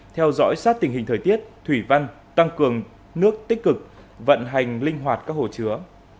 theo dõi sát tình hình thời tiết thủy văn tăng cường nước tích cực vận hành linh hoạt các hồ chứa